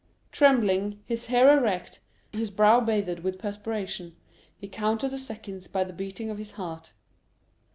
Trembling, his hair erect, his brow bathed with perspiration, he counted the seconds by the beating of his heart.